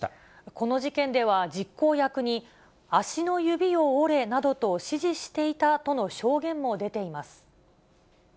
この事件では、実行役に足の指を折れなどと指示していたとの証言も出ています。